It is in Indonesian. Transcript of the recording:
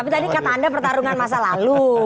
tapi tadi kata anda pertarungan masa lalu